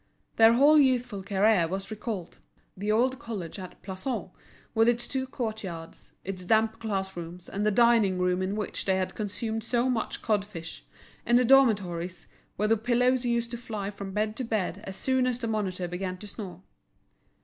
Their whole youthful career was recalled, the old college at Plassans, with its two courtyards, its damp classrooms, and the dining room in which they had consumed so much cod fish, and the dormitories where the pillows used to fly from bed to bed as soon as the monitor began to snore.